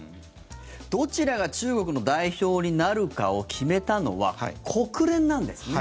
どちらが中国の代表になるかを決めたのは国連なんですね。